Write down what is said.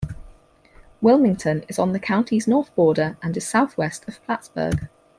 Wilmington is on the county's north border and is southwest of Plattsburgh.